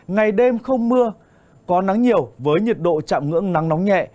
ngày đêm không mưa có nắng nhiều với nhiệt độ chạm ngưỡng nắng nóng nhẹ